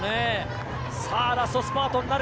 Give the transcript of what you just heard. ラストスパートになる。